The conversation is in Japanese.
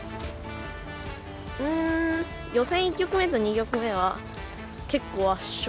うん予選１局目と２局目は結構圧勝。